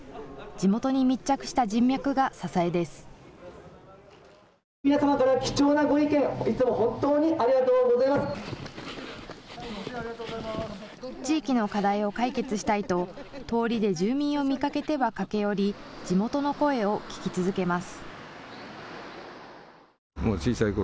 地域の課題を解決したいと、通りで住民を見かけては駆け寄り、地元の声を聞き続けます。